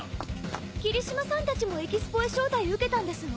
切島さんたちもエキスポへ招待受けたんですの？